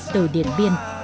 từ điện biên